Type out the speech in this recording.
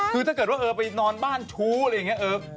คือถ้าเกิดว่าเออไปนอนบ้านชู้อะไรอย่างนี้